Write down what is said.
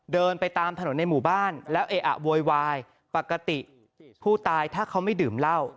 เดินไปตามถนนในหมู่บ้านแล้วเออะโวยวายปกติผู้ตายถ้าเขาไม่ดื่มเหล้า